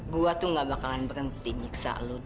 gue tuh gak bakalan berhenti nyiksa lu